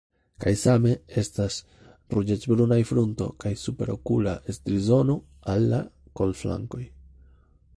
Kaj same estas ruĝecbrunaj frunto kaj superokula strizono al la kolflankoj.